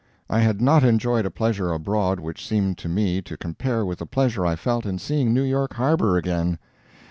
I had not enjoyed a pleasure abroad which seemed to me to compare with the pleasure I felt in seeing New York harbor again.